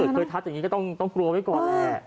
ถ้าเกิดเคยทักจากนี้ก็ต้องกลัวไว้ก่อนแหละ